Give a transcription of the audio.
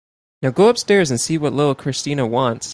Now go upstairs and see what little Christina wants.